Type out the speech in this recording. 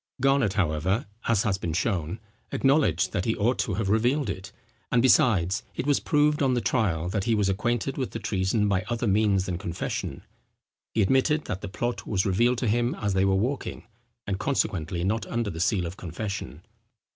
Garnet, however, as has been shown, acknowledged that he ought to have revealed it; and besides, it was proved on the trial, that he was acquainted with the treason by other means than confession. He admitted that the plot was revealed to him as they were walking, and consequently not under the seal of confession.